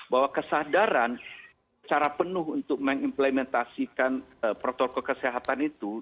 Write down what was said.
bahwa kesadaran cara penuh untuk mengimplementasikan protokol kesehatan itu